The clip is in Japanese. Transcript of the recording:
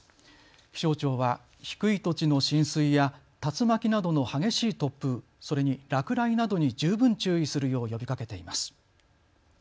気象庁は低い土地の浸水や竜巻などの激しい突風、それに落雷などに十分注意するよう呼びかけています。